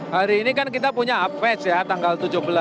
hari ini kan kita punya apes ya tanggal tujuh belas